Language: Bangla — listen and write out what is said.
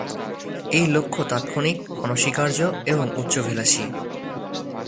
এই লক্ষ্য তাৎক্ষণিক, অনস্বীকার্য এবং উচ্চাভিলাষী